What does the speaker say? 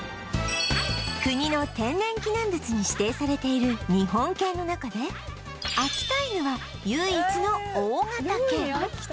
国の天然記念物に指定されている日本犬の中で秋田犬は唯一の大型犬